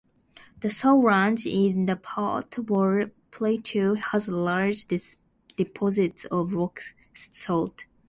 The Salt Range in the Potwar Plateau has large deposits of rock salt.